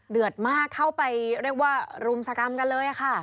เดือดมากเข้าไปเรียกว่ารุมสกรรมกันเลยค่ะ